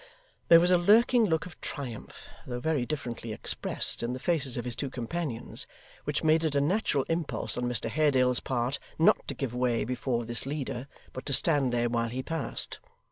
There was a lurking look of triumph, though very differently expressed, in the faces of his two companions, which made it a natural impulse on Mr Haredale's part not to give way before this leader, but to stand there while he passed.